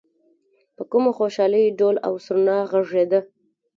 په کومه خوشالۍ ډول او سرنا غږېده.